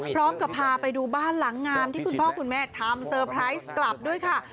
พาไปดูบ้านหลังงามที่คุณพ่อคุณแม่ทำเซอร์ไพรส์กลับด้วยค่ะ